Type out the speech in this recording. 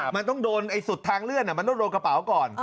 มันต้องโดนสุดทางเลื่อนมันต้องโดนกระเป๋าก่อน